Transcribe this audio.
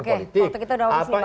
oke waktu kita sudah awal ini pak